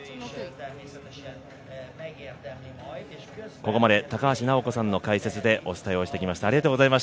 ここまで高橋尚子さんの解説でお伝えしてきました。